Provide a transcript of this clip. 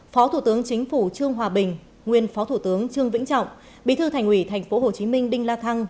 phó thủ tướng chính phủ trương hòa bình nguyên phó thủ tướng trương vĩnh trọng bí thư thành ủy tp hcm đinh la thăng